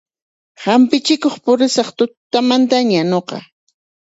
Hampichikuq purisaq tutamantaña nuqa